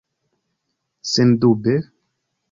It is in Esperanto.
Sendube?